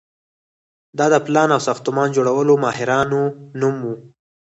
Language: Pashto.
دا د پلان او ساختمان جوړولو ماهرانو نوم و.